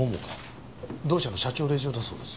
同社の社長令嬢だそうです。